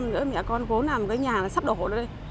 một vài năm nữa mẹ con cố làm cái nhà sắp đổ ra đây